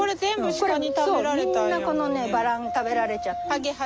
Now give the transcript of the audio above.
そうみんなこのバラン食べられちゃって。